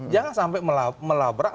jangan sampai melabrak